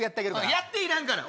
やっていらんから。